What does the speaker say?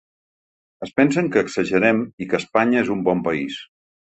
Es pensen que exagerem i que Espanya és un bon país.